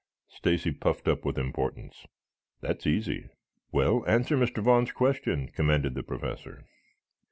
Stacy puffed up with importance. "That's easy." "Well, answer Mr. Vaughn's question," commanded the Professor.